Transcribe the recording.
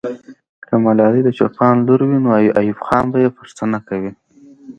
که ملالۍ د چوپان لور وي، نو ایوب خان به یې پوښتنه کوي.